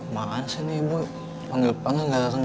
makasih nih bu panggil panggil gak dateng